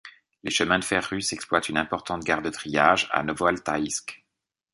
Les chemins de fer russes exploitent une importante gare de triage à Novoaltaïsk.